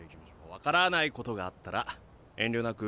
分からないことがあったら遠慮なく。